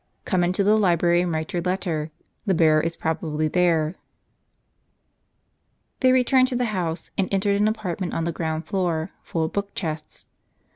Come into the library, and write your letter; the bearer is probably there." They returned to the house, and entered an apartment on the ground floor, full of book chests.